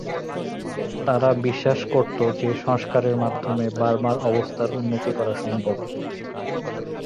তারা বিশ্বাস করত যে সংস্কারের মাধ্যমে বার্মার অবস্থার উন্নতি করা সম্ভব।